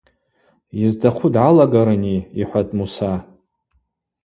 Йызтахъу дгӏалагарыни, – йхӏватӏ Муса.